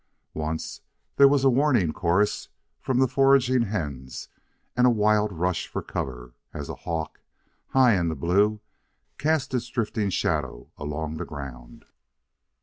Once, there was a warning chorus from the foraging hens and a wild rush for cover, as a hawk, high in the blue, cast its drifting shadow along the ground.